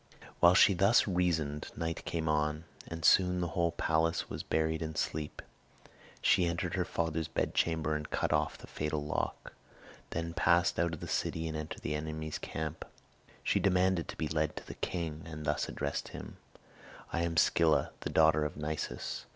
While she thus reasoned night came on, and soon the whole palace was buried in sleep. She entered her father's bedchamber and cut off the fatal lock; then passed out of the city and entered the enemy's camp. She demanded to be led to the king, and thus addressed him: "I am Scylla, the daughter of Nisus.